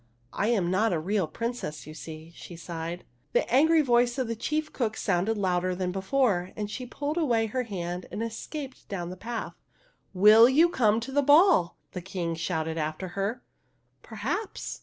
" I am not a real princess, you see," she sighed. The angry voice of the chief cook sounded louder than before, and she pulled away her hand and escaped down the path. ''Will you come to the ball?" the King shouted after her. '' Perhaps